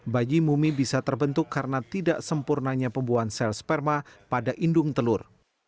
bayi mumi bisa terbentuk karena tidak sempurnanya pembuahan sel sperma pada indung telur